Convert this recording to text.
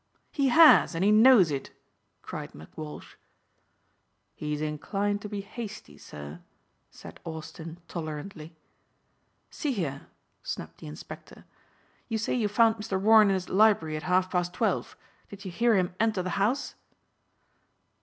"He has and he knows it," cried McWalsh. "He's inclined to be hasty, sir," said Austin tolerantly. "See here," snapped the inspector, "you say you found Mr. Warren in his library at half past twelve. Did you hear him enter the house?"